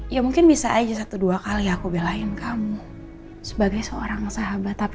ya mungkin bisa aja satu dua kali aku belain kamu sebagai seorang sahabat tapi